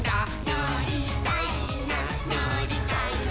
「のりたいなのりたいな」